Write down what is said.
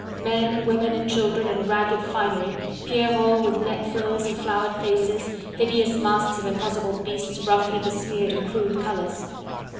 Men, women and children in ragged finery, Pierrots with neck frills and floured faces, hideous masks of impossible beasts roughly besmeared in crude colours.